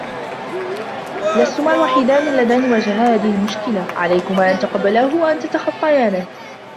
لستما الوحيدان الذان واجها هذا المشكل ، عليكما أن تقبلاه و أن تتخطيانه.